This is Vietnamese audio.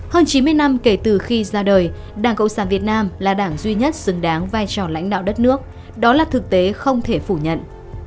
hơn chín mươi năm kể từ khi ra đời đảng cộng sản việt nam là đảng duy nhất xứng đáng vai trò lãnh đạo đất nước đó là thực tế không thể phủ nhận